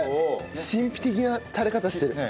神秘的な垂れ方してる。